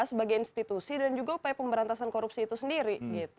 sebagai institusi dan juga upaya pemberantasan korupsi itu sendiri